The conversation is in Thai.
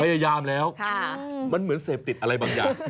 พยายามแล้วมันเหมือนเสพติดอะไรบางอย่าง